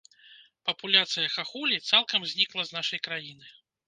Папуляцыя хахулі цалкам знікла з нашай краіны.